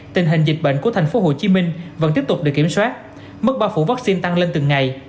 tình hình dịch bệnh của tp hcm vẫn tiếp tục được kiểm soát mức bao phủ vaccine tăng lên từng ngày